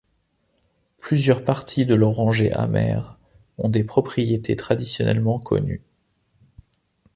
Plusieurs parties de l'oranger amer ont des propriétés traditionnellement connues.